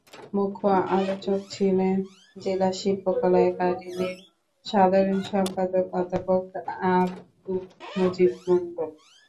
মুখ্য আলোচক ছিলেন জেলা শিল্পকলা একাডেমীর সাধারণ সম্পাদক অধ্যাপক আবদুল মজিদ মণ্ডল।